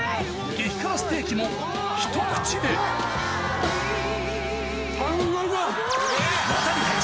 激辛ステーキもひと口で完食！